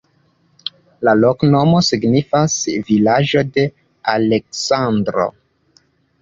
La loknomo signifas: vilaĝo de Aleksandro.